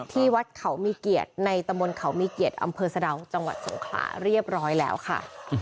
ที่วัดเขามีเกียรติในตำบลเขามีเกียรติอำเภอสะดาวจังหวัดสงขลาเรียบร้อยแล้วค่ะ